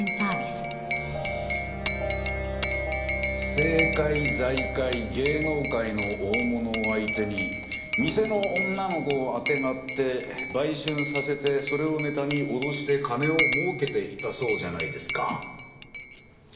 政界財界芸能界の大物を相手に店の女の子をあてがって売春させてそれをネタに脅して金を儲けていたそうじゃないですか。